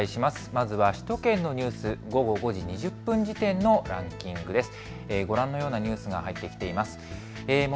まずは首都圏のニュース午後５時２０分時点のランキングです。